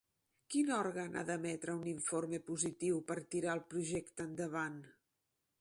Quin òrgan ha d'emetre un informe positiu per tirar el projecte endavant?